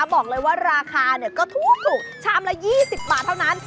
บอกเลยว่าราคาก็ถูกชามละ๒๐บาทเท่านั้น